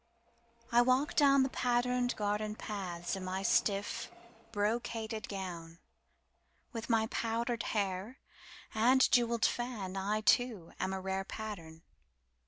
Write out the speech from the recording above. I walk down the patterned garden pathsIn my stiff, brocaded gown. With my powdered hair and jewelled fan,I too am a rarePattern.